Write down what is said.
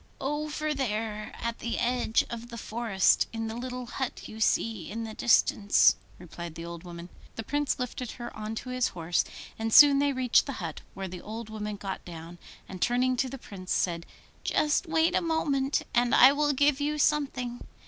'Over there, at the edge of the forest in the little hut you see in the distance,' replied the old woman. The Prince lifted her on to his horse, and soon they reached the hut, where the old woman got down, and turning to the Prince said, 'Just wait a moment, and I will give you something.